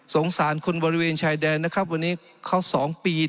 สารคนบริเวณชายแดนนะครับวันนี้เขา๒ปี